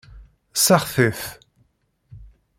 Seɣti-t.